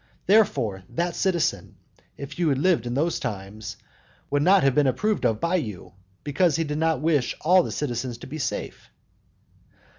Therefore, that citizen if you had lived in those times would not have been approved of by you, because he did not wish all the citizens to be safe.